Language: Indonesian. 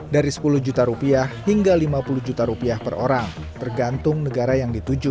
dari sepuluh juta rupiah hingga lima puluh juta rupiah per orang tergantung negara yang dituju